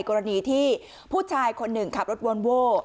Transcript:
กรณีที่ผู้ชายคนหนึ่งขับรถวอนโว้